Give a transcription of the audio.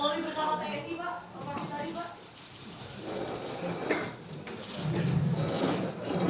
pemangku tadi pak